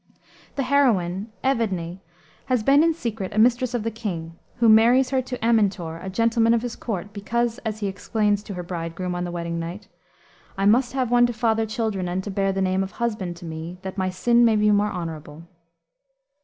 The heroine, Evadne, has been in secret a mistress of the king, who marries her to Amintor, a gentleman of his court, because, as she explains to her bridegroom, on the wedding night, "I must have one To father children, and to bear the name Of husband to me, that my sin may be More honorable."